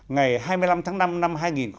ngày hai mươi năm tháng năm năm hai nghìn bảy